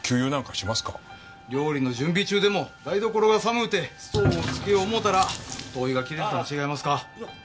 料理の準備中でも台所が寒うてストーブをつけよう思うたら灯油が切れてたん違いますか？